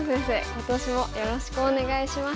今年もよろしくお願いします。